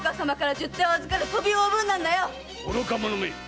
愚か者め！